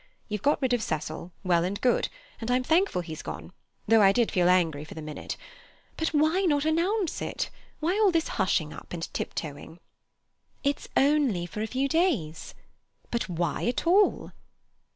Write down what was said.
You've got rid of Cecil—well and good, and I'm thankful he's gone, though I did feel angry for the minute. But why not announce it? Why this hushing up and tip toeing?" "It's only for a few days." "But why at all?"